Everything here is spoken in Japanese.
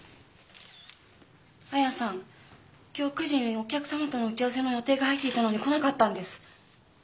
亜矢さん今日９時にお客さまとの打ち合わせの予定が入っていたのに来なかったんです。